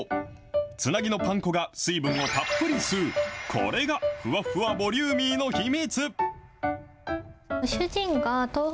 つなぎのパン粉が水分をたっぷり吸う、これがふわふわボリューミーの秘密。